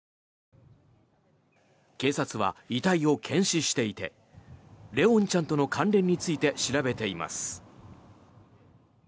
警察は遺体を検視していて怜音ちゃんとの関連について調べています。